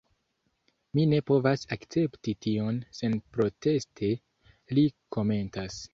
Mi ne povas akcepti tion senproteste, li komentas.